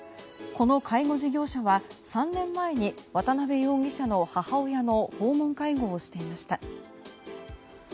この介護事業者は３年前に渡辺容疑者の母親の訪問介護をしていました。